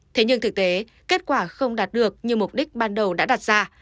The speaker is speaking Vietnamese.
thế nhưng thực tế kết quả không đạt được như mục đích ban đầu đã đặt ra